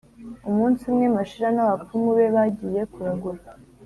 umunsi umwe, mashira n’abapfumu be bagiye kuragura,